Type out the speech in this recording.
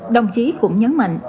đồng chí cũng nhấn mạnh